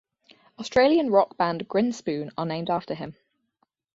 Australian rock band Grinspoon are named after him.